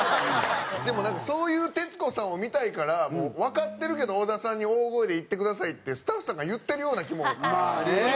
でもなんかそういう徹子さんを見たいからわかってるけど小田さんに大声でいってくださいってスタッフさんが言ってるような気もするんですけどね。